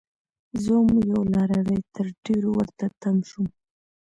زه وم یو لاروی؛ تر ډيرو ورته تم شوم